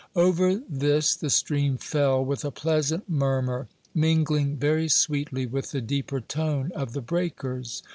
Over this the stream fell with a pleasant murmur, mingling very sweetly with the deeper tone of the breakers.